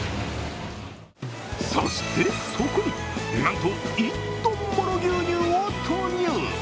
そしてそこになんと１ｔもの牛乳を投入。